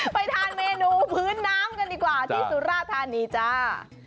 ไปทานเมนูพื้นน้ำกันดีกว่าที่สุราธานีจ้า